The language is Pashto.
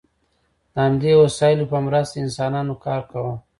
د همدې وسایلو په مرسته انسانانو کار کاوه.